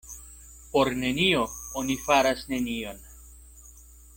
Por nenio oni faras nenion.